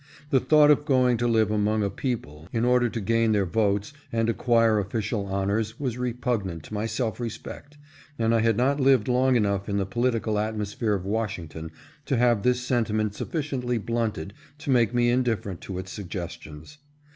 The thought of going to live among a people in order to gain their votes and acquire official honors was repugnant to my self respect, and I had not lived long enough in the political atmosphere of Washington to have this sentiment sufficiently blunted to make me indif ferent to its suggestions.